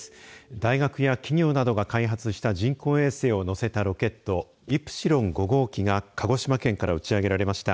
大学や企業などが開発した人工衛星を載せたロケットイプシロン５号機が鹿児島県から打ち上げられました。